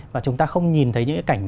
và chúng ta không nhìn thấy những cái cảnh